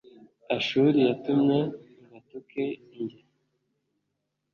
ashuri yatumye ngo atuke njye